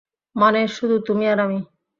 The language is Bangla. মানে, শুধু তুমি আর আমি?